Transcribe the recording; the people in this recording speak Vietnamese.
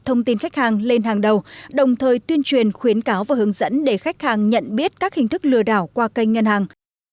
thông tin khách hàng lên hàng đầu đồng thời tuyên truyền khuyến cáo và hướng dẫn để khách hàng nhận biết các hình thức lừa đảo qua kênh ngân hàng